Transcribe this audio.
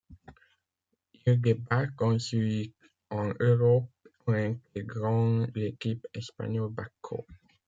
Il débarque ensuite en Europe en intégrant l'équipe espagnole Bathco.